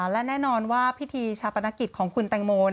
และแน่นอนว่าพิธีชาปนกิจของคุณแตงโม